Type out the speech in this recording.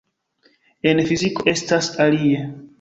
En fiziko estas alie.